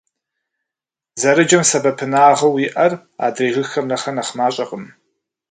Зэрыджэм сэбэпынагъыу иӀэр адрей жыгхэм нэхърэ нэхъ мащӀэкъым.